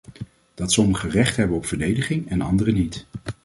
Dat sommigen recht hebben op verdediging en anderen niet.